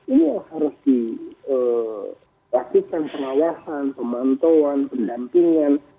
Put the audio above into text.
ini yang harus dilakukan pengawasan pemantauan pendampingan